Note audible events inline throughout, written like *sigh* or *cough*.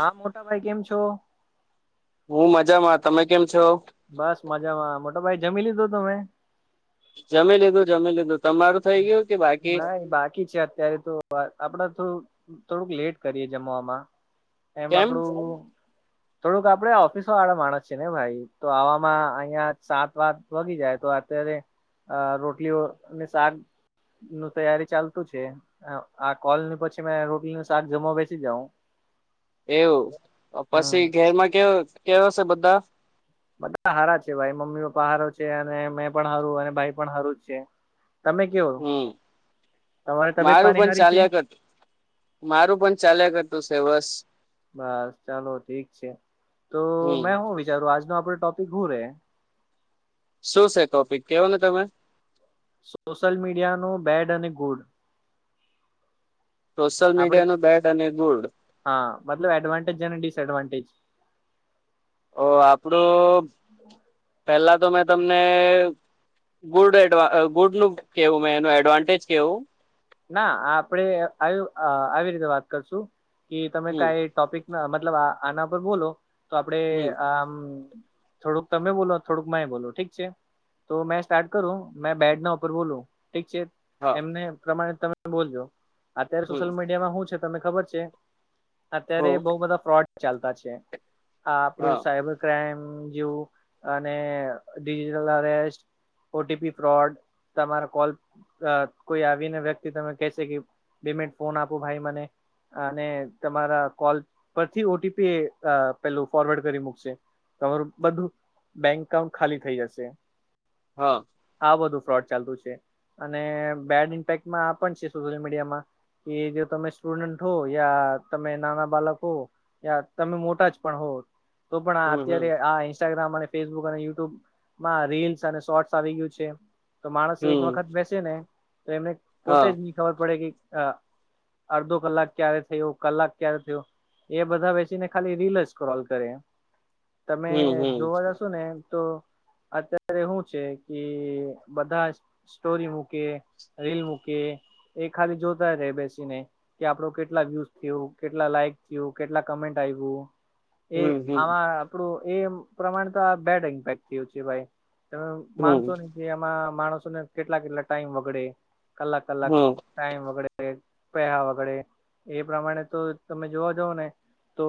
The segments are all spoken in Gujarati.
હા મોટા ભાઈ કેમ છો, હું મજામાં તમે કેમ છો, બસ મજામાં મોટા ભાઈ જમી લીધું તમે? જમી લીધું જમી લીધું, તમારું થઈ ગયું કે બાકી બસ બાકી છે અત્યારે તો, પણ આપણે થોડુંક લેટ કરીએ જમવામાં, એમ કેમ આપડું, થોડુંક આપડે ઓફિસોવાળા માણસ છે ને ભાઈ, તો આવામાં અહીયા સાત આઠ વાગી જાય તો અત્યારે, અ રોટલી ઓ અને શાક, નુ તૈયારી ચાલતું છે, અ-આ કોલને પછી મે રોટલીનું શાક જમવા બેસી જાઉ. હું, એવું, હમ પસી ઘેરમાં કેવ કેવા શે બધાં? બધાં હારા છે ભાઈ, મમ્મી-પપ્પા હારો છે અને મેં પણ હારો અને ભાઈ પણ હારો જ છે, તમે, કેવો હમ તમારી તબિયત મારું પાણી પણ હારી છે? ચાલ્યા કરતું મારું પણ ચાલ્યા કરતું શે, બસ., બસ, ચાલો ઠીક છે, તો હમ મેં હું વિચાર્યું આજનો આપડો ટોપિક હું રહે, શું છે ટોપિક? કેવોની તમે. સોશિયલ મીડિયાનું બેડ અને ગુડ., સોશિયલ આપડે મીડિયાનું બેડ અને ગુડ. હા, મતલબ એડવાન્ટેજ અને ડિસએડવાન્ટેજ. ઓ આપડું પેલા તો મેં તમને, ગુડ એડવા ગુડનું કહેવું મે એનું એડવાન્ટેજ કહેવું. ના આપણે આયુ અહ આવી રીતે વાત કરશું કે, તમે હમ કાંઈ ટોપિક ના મતલબ આ આના પર બોલો. તો આપણે હમ આમ થોડુંક તમે બોલો, થોડુંક મેય બોલું. ઠીક છે? તો મેં સ્ટાર્ટ કરું. મે બેડના ઉપર બોલું. ઠીક છે? હા એમને પ્રમાણે તમે બોલજો. અત્યારે હમ સોશિયલ મીડિયામાં હું છે? તમને ખબર છે? હ અત્યારે બહુ બધાં ફ્રોડ ચાલતા છે. આ આપણું હા સાયબર ક્રાઈમ જેવું, અને digital arrest O T P fraud, તમારા કોલ અહ કોઈ આપ પીને વ્યક્તિ તમે કહેશે કે, બે મિનટ ફોન આપો ભાઈ મને. અને તમારા કોલ પરથી ઓ ટી પી અહ પેલું ફોરવર્ડ કરી મુકશે. તમારું બધું બેન્ક અકાઉન્ટ ખાલી થઇ જશે. હા. આ બધું ફ્રોડ ચાલતું છે. અને બેડ ઇમ્પેક્ટમાં આ પણ છે સોશિયલ મીડિયામાં. કે જો તમે સ્ટુડન્ટ હો, યા તમે નાના બાલક હો યા તમે મોટા જ પણ હો, તો પણ આ હમ હમ અત્યારે આ ઇન્સ્ટાગ્રામ અને ફેસબુક અને યુટ્યુબમાં રીલ્સ અને શોર્ટસ આવી ગીયું છે. તો માણસ એક હમ વખત બેસે ને તો એમને હા પોતે જ ની ખબર પડે કી અહ અડધો કલાક ક્યારે થયો, કલાક ક્યારે થયો. એ બધાં બેસીને ખાલી રીલ જ સ્ક્રોલ કરે. તમે હમ હમ જોવા જશો ને તો અત્યારે હું છે, કી બધાં જ સ્ટોરી મૂકે રીલ મૂકે, એ ખાલી જોતા જ રેઈ બેસીને. કે આપણો કેટલા વ્યુઝ થયું, કેટલા લાઈક થયું, કેટલા કમેન્ટ આયવું. એ હમ હમ આમાં આપણું એમ પ્રમાણે તો આ બેડ ઇમ્પેક્ટ થયું છે ભાઈ. તમે માનશો હમ નહીં કે એમાં માણસોને કેટલા-કેટલા ટાઈમ બગડે. કલાક-કલાક હમ ટાઈમ બગડે. પૈહા બગડે. એ પ્રમાણે તો તમે જોવા જાવ ને તો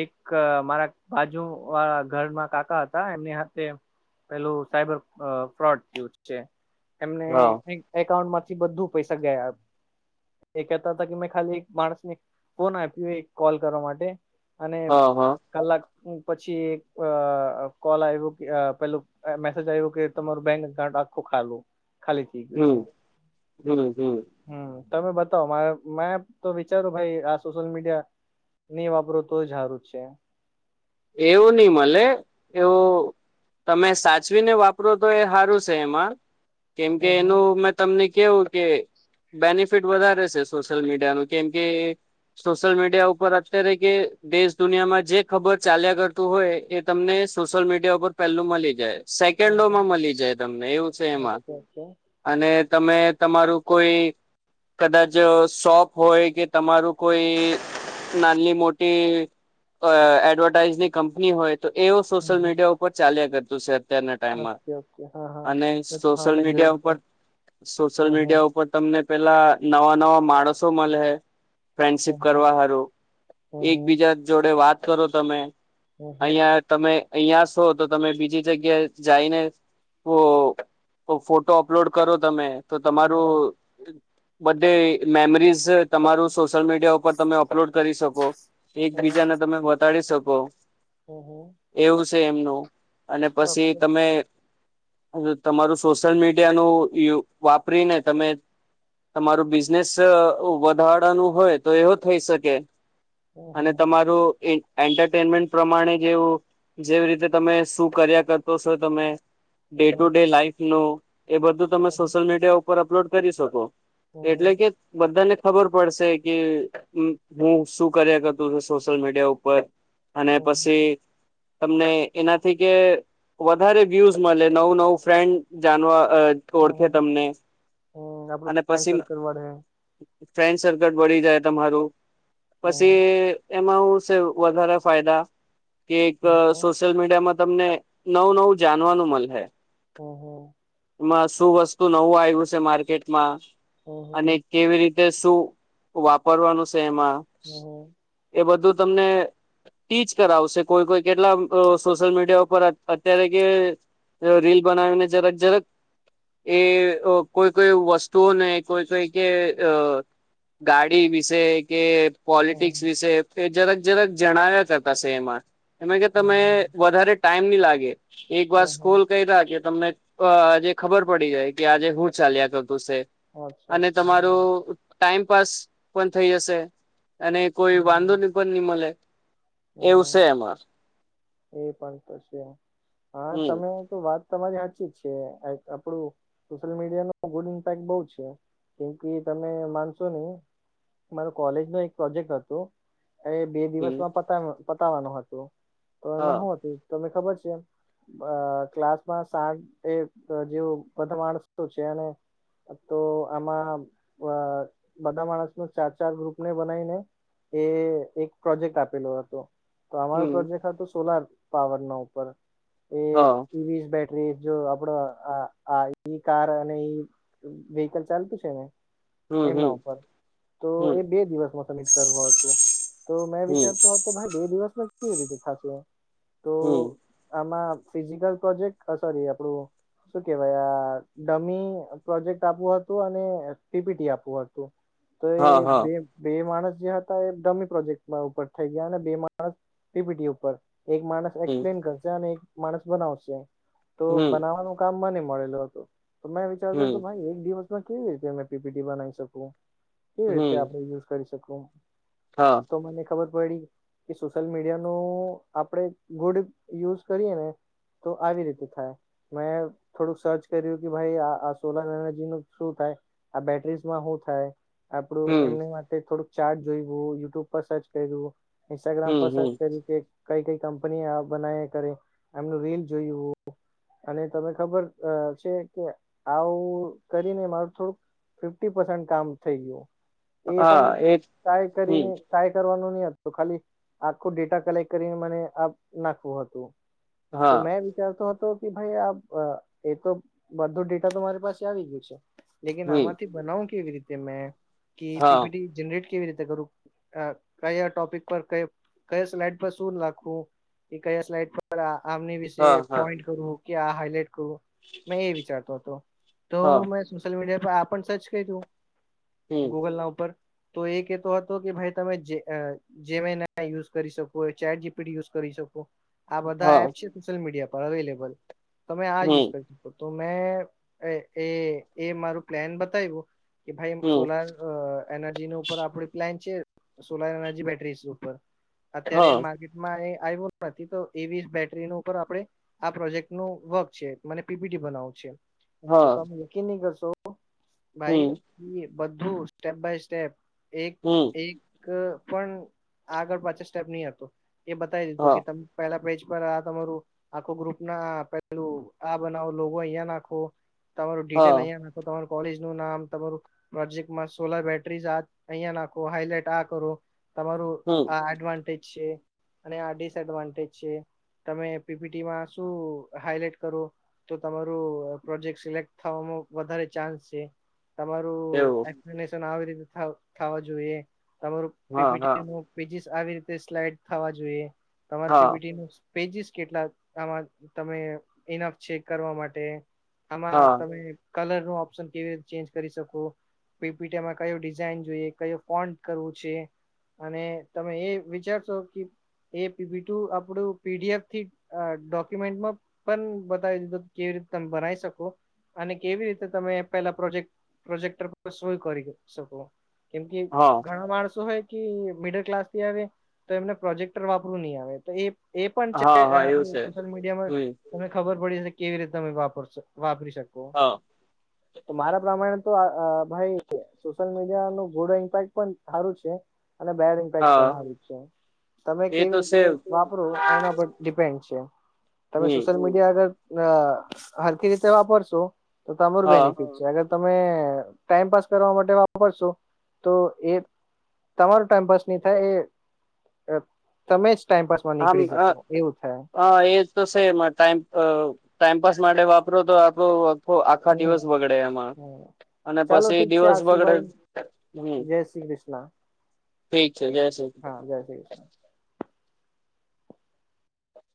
એક મારા બાજુવાળા ઘરમાં કાકા હતા, એમની હાથે પેલું સાયબર અહ ફ્રોડ થયુ છે. એમને હા કંઇક એકાઉન્ટમાંથી બધું પૈસા ગાયબ. એ કહેતા તા કે મેં ખાલી એક માણસને ફોન આપ્યું એક કોલ કરવા માટે. અને હા હા કલાક હુ પછી એક અહ કોલ આવ્યું કે પેલું અહ મેસેજ આવ્યો કે તમારું બેંક એકાઉન્ટ આખું ખાલુ, ખાલી થયું. હમ્મ-હમ્મ-હમ્મ. હમ્મ. તમે બતાવ. મારે મે તો વિચારું ભાઈ આ સોશિયલ મીડિયા નહીં વાપરો તો જ હારું છે. એવું ની મલે. એવું તમે સાચવીને વાપરો તો એ હારું સે એમાં. કેમ કે હમ એનું *unintelligible* તમને કેવું કે બેનિફિટ વધારે છે સોશિયલ મીડિયા નો. કેમ કે સોશિયલ મીડિયા ઉપર અત્યારે કે દેશ દુનિયામાં જે ખબર ચાલ્યા કરતું હોય એ તમને સોશિયલ મીડિયા ઉપર પહેલું મલી જાય. હમ હમ હમ સેકન્ડોમાં મળી જાય તમને એવું છે એમાં. ઓકે ઓકે અને તમે તમારું કોઈ કદાચ શોપ હોય કે તમારું કોઈ નાનલ્લી મોટી અ એડવડ..... ટાઈઝની કંપની હોય તો એ ઓ હમ સોશિયલ હમ મીડિયા ઉપર ચાલ્યા કરતું સે અત્યારના ટાઈમમાં ઓકે ઓકે હા હા અને એ તો હા સોશિલ મેં મીડિયા જોયું છે ઉપર સોશિયલ હમ હમ મીડિયા ઉપર તમને પેલા નવા નવા માણસો મલહે. ફ્રેન્ડશિપ હમ હમ કરવા હારું હમ એકબીજા જોડે વાત કરો તમે. હમ હમ હમ અહિયા તમે અહિયા સો તો તમે બીજી જગ્યા જાઈને ફો કો ફોટો અપલોડ કરો તમે. તો હમ તમારું બધે મેમરીઝ તમારું સોશિયલ મીડ..... ડિયા ઉપર તમે અપલોડ કરી શકો હમ એકબીજાને તમે બતાડી શકો. હમહમ્ એવું સે એમનું અને ઓકે પસી તમે હજુ તમારું સોશિયલ મીડિયાનું યુ વાપરીને તમે તમારું બિઝનેસ વધાડાનું હોય તો એહો થઈ શકે. હમ અને હમ તમારું એ એન્ટરટેનમેન્ટ. પ્રમાણે જેવું જેવી રીતે તમે શું કર્યા કરતો સો તમે.. day hmm to hmm day લાઈફનું એ બધું તમે હમ સોશિયલ મીડિયા ઉપર અપલોડ કરી શકો. હમ એટલે હમ કે બધાને ખબર પડશે કે ઉમ હું શું કર્યા કરતો સુ સોશિલયમીડિયા ઉપર... અને પસી તમને એનાથી કે.... વધારે વ્યુઝ મળે નવું નવું ફ્રેન્ડ જાણવા અ... હમ ઓડખે હમ તમને આપડું અને ફ્રેન્ડ પછી મ... સર્કલ વાળે ફ્રેન્ડ સર્કલ બડી જાય તમારું પછી હમ એમાં એવું શે વધારે ફાયદા કે એક અ હમ હમ સોશિયલ મીડિયામાં તમને નવું નવું જાનવાનું મલહે. હમ્મ હમ્મ માં શું વસ્તુ નવું આયવું છે માર્કેટમાં, હમ હમ અને કેવી રીત કે શું વાપરવાનું સે એમાં હમ્મહમ્ એ બધું તમને.. ટીચ કરાવશે કોઈ કોઈ કેટલા બ અ સોશિયલ મીડિયા ઉપર અત અત્યારે કે.... અ રીલ બનાવીને જરક જરક... એ અ કોઈ કોઈ વસ્તુઓને કોઈ કોઈ કે અ... ગાડી વિશે કે... હમ પોલિટિક્સ વિશે એ જરક જરક જણાવ્યા કરતાશે એમાં એમાં કે તમે હમ વધારે ટાઈમ ની લાગે એક વાર હમ હમ સ્કોલ કયરા કે તમને અ આજે ખબર પડી જાય કે આજે હું ચાલ્યા કરતું સે અચ્છા અને અચ્છા હમ તમારું ટાઈમપાસ પણ થઈ જશે અને કોઈ હમ વાંધોની પણ ની મલે ઓ એવું સે એમાં એ પણ તો સે અ હમ તમે તો વાત તમારી હાચી જ છે આ એક આપડું સોશિયલ મીડિયાનો ગુડ ઇમ્પેક્ટ બઉ છે. કેમ કે તમે માનશો નહી મારો કોલેજનો એક પ્રોજેક્ટ હતો એ... બે હમ દિવસમાં પતાવ પતાવવાનું હતું તો એમાં હા હું હતું તમને ખબર છે? અ ક્લાસમાં સાઠ એક જેવું બધા માણસ તો છે ને તો આમાં *unintelligible* બધા માણસનુ ચાર ચાર ગ્રુપને બનાવીને કે એક પ્રોજેક્ટ આપેલો હતો. તો અમારા હમ પ્રોજેક્ટ હતો સોલાર પાવરનો ઉપર એ હા સ જો આપડો આ કાર અને વિહીકલ ચાલતું છે ને હમ એમના હમ ઉપર તો એ હમ બે દિવસમાં સબમિટ કરવા નું હતું તો મેં હમ વિચારતો હતો બે દિવસ માં કેવી રીતે થાશે હમ આમાં ફિઝિકલ પ્રોજેક્ટ સોરી આપડું શું કેવાય આ ડમી પ્રોજેક્ટ આપવું હતું અને સીપીટી આપવું હતું તો તે હા હા બે બે માણસ જે હતા એ ડમી પ્રોજેક્ટ ઉપર થઈ ગયા અને બે માણસ પીપીટી ઉપર એક માણસ હમ એક્સપ્લેન કરશે અને એક માણસ બનાવશે તો હમ બનાવાનું કામ મને મળેલો હતો તો મેં વિચારતો હતો હમ ભાઈ એક દિવસ કેવી રીતે અ પીપીટી બનાવી શકું કેવી હમ રીતે આપણે યુઝ કરી શકું હા તો મને ખબર પડી કે સોશિયલ મીડિયા નો આપણેે ગુડ યુઝ કરીએ ને તો આવી રીતે થાય મેં થોડુંક સર્ચ કર્યું કે ભાઈ આ સોલાર એનર્જી નું શું થાય આ બેટરીઝમાં હુ થાય આપડું હમ એમની માટે થોડુંક ચાર્ટ જોયું યુટ્યુબ પર સર્ચ કઈરું હમ ઈન્સ્ટાગ્રામ પર હમ સર્ચ કરયુ કે કઈ કઈ કંપની બનાવે કરે એમનું રીલ જોયું અને તમે ખબર છે કે આવું કરીને મારું થોડુંક ફિફટી પરસન કાપસમ થઈ ગયું એ પણ હા એ ટાય હમ કરીને કાય કરવાનું નહી હતું ખાલી આખું ડેટા કલેક્ટ કરીને મને આ નાખવું હતું તો હા મેં એમ વિચારતો હતો કે ભાઈ આ એ તો બધું ડેટા તો મારી પાસે આવી ગયું છે લેકીન હમ આમાંથી બનાવ કે એવી રીતે મેં કે હા પીપીટી જનરેટ કેવી રીતે કરું કયા ટોપિક પર ક કયા સ્લાડ શું લખવું કે કયા સ્લાઈડ પર આમની વિશે હા હા પોઈન્ટ કરવું કે આ હાઈલાઈટ કરું મેં એ વિચારતો હતો તો હા મે સોશ્યલ મીડિયા પર આપ સર્ચ કર્યું હમ ગૂગલ ના ઉપર તો એ કે તો હતો કે ભાઈ તમે જે જેમીનાય યુઝ કરી શકો કોઈ ચેટ જીપીટ યુઝ કરી શકો આ હા બધા એપ છે સોશિયલ મીડિયા પર અવેલેબલ તમે આ યુઝ હમ કરી શકો તો મેં એ એ મારું પ્લાન બતાવ્યું કે ભાઈ હમ સોલાર અ એનર્જીનું ઉપર આપડે પ્લાન છે સોલાર એનર્જી બેટરીઝની ઉપર અત્યારે હા માર્કેટમાં આવ્યું નથી તો એવી બેટરીનો ઉપર આપડે આ પ્રોજેક્ટ નું વર્ક છે મને પીપીટી બનાવું છે. તો હા તમે યકીન નહી કરશો હમ ભાઈ બધું સ્ટેપ બાય સ્ટેપ. એક હમ એક પણ આગળ પાછળ સ્ટેપ નહી આ એ બતાવી દીધું હા કે જપહેલા પેજ પર આ તમારું આખો ગ્રુપ ના પેલું આ બનાવો લૉગો અહીંયા નાખો તમારુ ડિટેલ હા અહીંયા નાખો તમારું કોલેજ નું નામ તમારું પ્રોજેકટમાં સોલર બેટરીઝ આ અહીંયા નાખો હાઈલાઈટ આ કરો તમારું હમ્મ. આ એડવાન્ટેજ છે અને આ ડિસએડવાન્ટેજ છે. તમે પીપીટીમાં શું હાઈલાઈટ કરો? તો તમારું પ્રોજેક્ટ સિલેક્ટ થવામાં વધારે ચાન્સ છે. એવું તમારું એપ્સેનેસંન આવી રીતે થાવ થાવા જોઈએ તમારું હા પીપીટી હા પેજીસ આવી રીતે સ્લાઈડ થવા જોઈએ, તમારે હા પીપીટી નુ પેજીસ કેટલા આમાં તમે ઇનફ છેેક કરવા માટે. આમાં હા તમે કલર નું ઓપ્શન કેવી રીતે ચેન્જ કરી શકો. પીપીટી મા ક્યો ડિઝઇન જોઈયે, કયો ફોન્ટ કરવું છે, અને તમે એ વિચારશો કે એ પીપીટુ આપડું પીડીએફથી અ ડોક્યુમેન્ટમાં પણ બતાવી દીધું કેવી રીત તમ બનાવી શકો. અને કેવી રીતે તમે પેલા પ્રોજેક્ટ પ્રોજેક્ટર પર સોય કરી શકો. કેમ કે હા ઘણા માણસો હોય કે મિડલ ક્લાસ થી આવે તો એમને પ્રોજેક્ટર વાપરવુ નહી આવે તો એ એ પણ છે હા હા એવું છે સોશિયલ મીડિયામાં હમ તમે ખબર પડી જશે કે કેવી રીતે તમે વાપરશો વાપરી શક હા. તો મારા પ્રમાણે તો આ ભાઈ સોશિયલ મીડિયા નુ ગુડ ઇમ્પેક્ટ પણ હારું છે અને બેડ ઇમ્પેક્ટ પણ હા હારું છે. તમે એ કેવી તો છે રીતે વાપરો એના પર ડિપેન્ડ છે તમે હમ સોશિયલ મીડિયા મીડિયા અગર, હરકી રીતે વાપરશો તો તમારું હા બેનિફિટ છે. અગર તમે ટાઈમપાસ કરવા માટે વાપરશો તો એ તમારો ટાઈમ પાસ નહી થાય એ અ તમે જ ટાઈમપાસ માં આમ નીકળી અ, જકો એવું થાય. હા એ તો સે એમાં ટાઈમ અ ટાઈમપાસ માટે વાપરો તો આપડો હો આખા હમ દિવસ બગડે એમા. હમ અને ચાલો પછી ઠીક છે દિવસ બગડે એ આશુભાઈ હમ્મ. જય શ્રી કૃષ્ણ ઠીક છે જય શ્રી હા જય શ્રી કૃષ્ણ